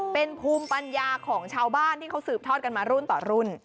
เป็นภูมิปัญญาของชาวบ้านที่เขาสืบทอดกันมารุ่นต่อรุ่น